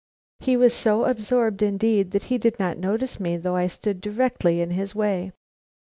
He was so absorbed indeed that he did not notice me, though I stood directly in his way.